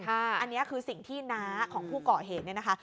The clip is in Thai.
อันนี้คือสิ่งที่น้าของผู้เกาะเหตุเนี่ยนะคะ